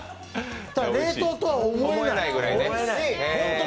冷凍とは思えない！